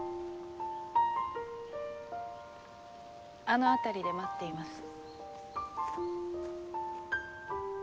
あの辺りで待っています。